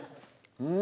うん。